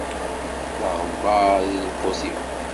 D aɣebbar i d lqut-iw.